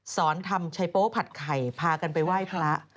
สอนทำไชโป๊ผัดไข่พากันไปว่ายพระ